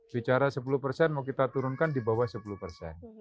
bicara sepuluh persen mau kita turunkan di bawah sepuluh persen